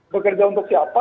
bekerja untuk siapa